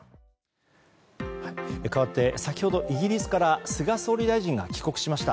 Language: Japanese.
かわって先ほどイギリスから菅総理大臣が帰国しました。